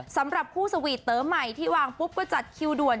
สำหรับคู่สวีทเตอร์ใหม่ที่วางปุ๊บก็จัดคิวด่วน